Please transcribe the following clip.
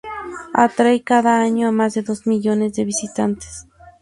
Atrae cada año a más de dos millones de visitantes.